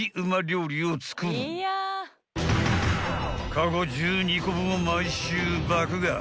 ［カゴ１２個分を毎週爆買い］